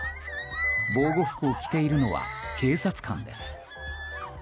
防護服を着ているのは警察官です。